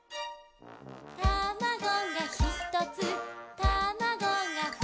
「たまごがひとつたまごがふたつ」